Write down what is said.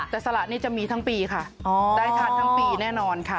แต่สละนี่จะมีทั้งปีค่ะได้ทานทั้งปีแน่นอนค่ะ